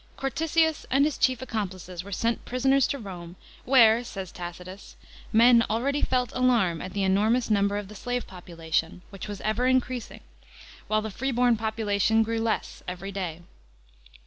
Curtisius and his chief accomplices were 28 AJX FRISIAN WAR. 187 sent prisoners to Borne, where, says Tacitus, "men already felt alarm at the enormous number of the slave population, which was ever increasing, while the free born population grew less every day."